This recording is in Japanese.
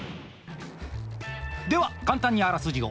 では簡単にあらすじを。